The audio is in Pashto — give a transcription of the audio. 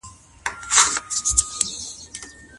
مستري باید په اوږه باندي ګڼ توکي راوړي.